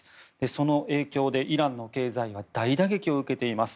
その影響でイランの経済は大打撃を受けています。